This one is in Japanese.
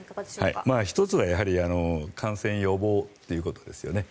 １つは感染予防ということですよね。